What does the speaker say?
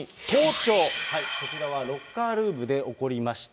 こちらはロッカールームで起こりました。